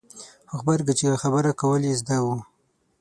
په غبرګه چېغه خبره کول یې زده وو.